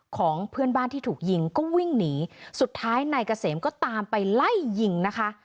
ของเพื่อนบ้านที่ถูกยิงก็วิ่งหนีสุดท้ายนายเกษมก็ตามไปไล่ยิงนะคะ